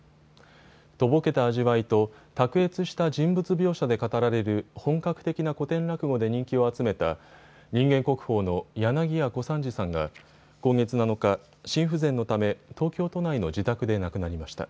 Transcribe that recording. とぼけた味わいと卓越した人物描写で語られる本格的な古典落語で人気を集めた人間国宝の柳家小三治さんが今月７日、心不全のため東京都内の自宅で亡くなりました。